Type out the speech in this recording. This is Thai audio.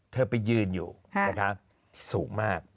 เธอไปยืนอยู่นะคะสูงมาก